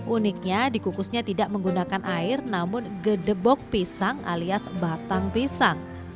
uniknya dikukusnya tidak menggunakan air namun gedebok pisang alias batang pisang